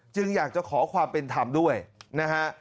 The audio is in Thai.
อยากจะขอความเป็นธรรมด้วยนะฮะ